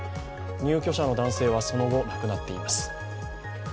入居者の男性はその後亡くなっています。